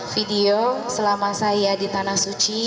video selama saya di tanah suci